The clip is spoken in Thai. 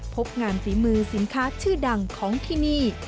พบงานฝีมือสินค้าชื่อดังของที่นี่